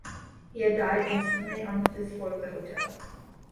He had died instantly, on the fifth floor of the hotel.